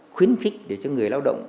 khuyến khích để cho người lao động